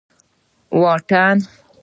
واټن